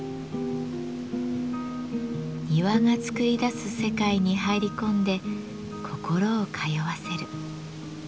庭が作り出す世界に入り込んで心を通わせる。